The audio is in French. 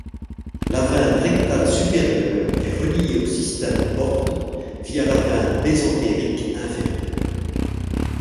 La veine rectale supérieure est relié au système porte via la veine mésentérique inférieure.